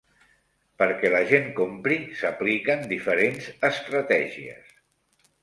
Perquè la gent compri, s'apliquen diferents estratègies.